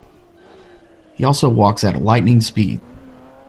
He also walks at a lightning speed.